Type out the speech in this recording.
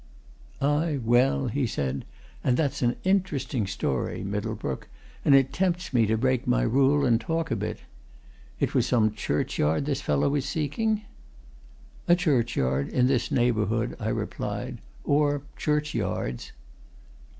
"Aye, well," he said, "and that's an interesting story, Middlebrook, and it tempts me to break my rule and talk a bit. It was some churchyard this fellow was seeking?" "A churchyard in this neighbourhood," I replied. "Or churchyards."